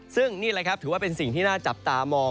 ซึ่งนี่แหละครับถือว่าเป็นสิ่งที่น่าจับตามอง